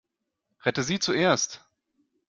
Rette sie zuerst!